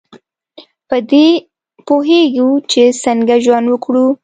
په دې پوهیږو چې څنګه ژوند وکړو.